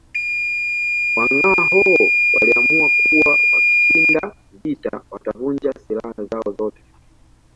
Wangâhoo waliamua kuwa wakishinda vita watavunja silaha zao zote